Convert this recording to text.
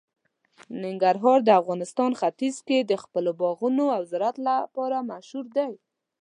ننګرهار د افغانستان ختیځ کې د خپلو باغونو او زراعت لپاره مشهور دی.